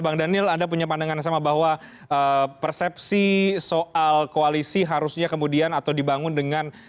bang daniel anda punya pandangan yang sama bahwa persepsi soal koalisi harusnya kemudian atau dibangun dengan